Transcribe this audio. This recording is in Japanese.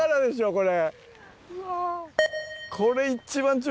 これ。